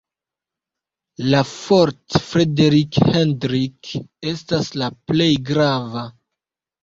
La "Fort Frederik Hendrik" estas la plej grava.